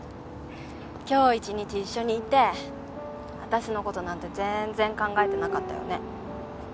今日１日一緒にいて私のことなんて全然考えてなかったよね？